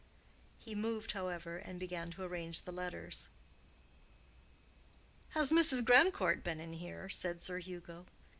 He moved, however, and began to arrange the letters. "Has Mrs. Grandcourt been in here?" said Sir Hugo.